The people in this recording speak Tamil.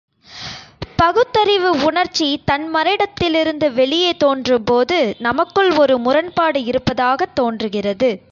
பகுத்தறிவு உணர்ச்சி தன் மறை டத்திலிருந்து வெளியே தோன்றும்போது, நமக்குள் ஒரு முரண்பாடு இருப்பதாகத் தோன்றுகிறது.